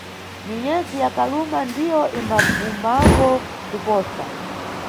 Minyezi ya kaluma ndiyo imbabvumbambo kuposa.